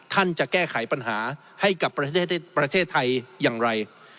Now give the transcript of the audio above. จะแก้ไขปัญหาให้กับประเทศไทยอย่างไร